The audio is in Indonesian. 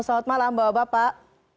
selamat malam bapak bapak